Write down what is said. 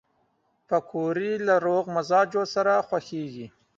پکورې له روغ مزاجو سره خوښېږي